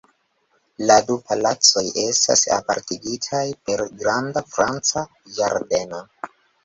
La du palacoj estas apartigitaj per granda franca ĝardeno.